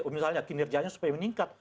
misalnya kinerjanya supaya meningkat